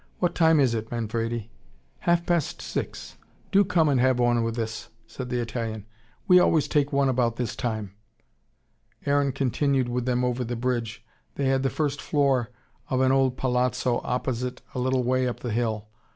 What time is it, Manfredi?" "Half past six. Do come and have one with us," said the Italian. "We always take one about this time." Aaron continued with them over the bridge. They had the first floor of an old palazzo opposite, a little way up the hill.